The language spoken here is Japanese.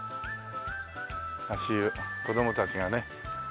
足湯子供たちがね。